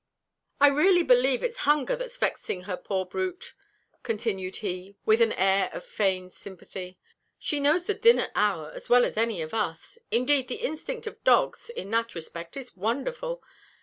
"I really believe it's hunger that's vexing her poor brute!" continued he, with an air of us feigned sympathy; "she knows the dinner hour as well as any of us. Indeed, the instinct of dogs in that respect is wonderful.